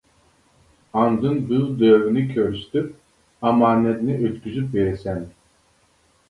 ئاندىن بۇ دۆۋىنى كۆرسىتىپ ئامانەتنى ئۆتكۈزۈپ بېرىسەن.